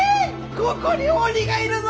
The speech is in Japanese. ここに鬼がいるぞ！